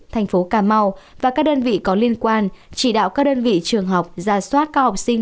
thành phố cà mau và các đơn vị có liên quan chỉ đạo các đơn vị trường học ra soát các học sinh